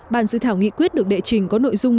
bàn dự thảo nghị quyết được đệ trình có nội dung